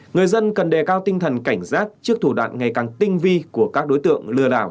người dân cần đề cao tinh thần cảnh giác trước thủ đoạn ngày càng tinh vi của các đối tượng lừa đảo